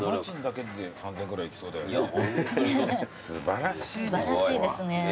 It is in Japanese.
素晴らしいですね。